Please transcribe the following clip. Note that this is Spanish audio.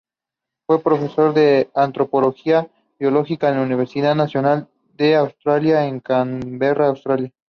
Fue profesor de Antropología biológica de la Universidad Nacional de Australia en Canberra, Australia.